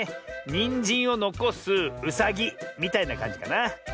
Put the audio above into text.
「にんじんをのこすうさぎ」みたいなかんじかな。